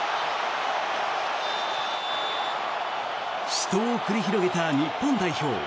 死闘を繰り広げた日本代表。